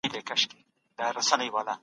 دولت د ملي عايد د لوړولو لپاره هڅي کولې.